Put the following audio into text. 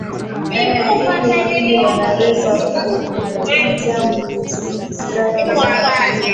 ee ili ili waweze ku kukuza maslahi yao